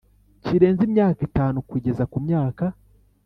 Kirenze imyaka itanu kugeza ku myaka